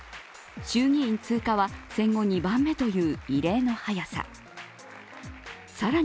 衆議院通過は戦後２番目という異例の早さ。